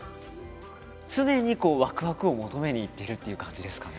常にこうワクワクを求めにいってるっていう感じですかね？